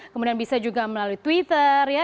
kemudian bisa juga melalui twitter ya